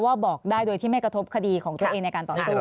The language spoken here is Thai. ว่าบอกได้โดยที่ไม่กระทบคดีของตัวเองในการต่อสู้